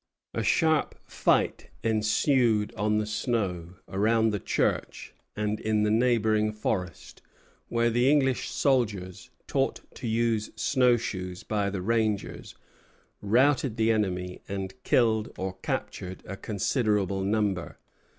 A sharp fight ensued on the snow, around the church, and in the neighboring forest, where the English soldiers, taught to use snow shoes by the rangers, routed the enemy, and killed or captured a considerable number.